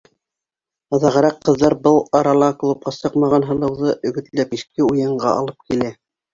Аҙағыраҡ ҡыҙҙар был арала клубҡа сыҡмаған һылыуҙы өгөтләп киске уйынға алып килә.